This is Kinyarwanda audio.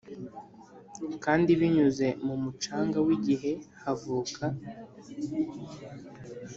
kandi binyuze mumucanga wigihe havuka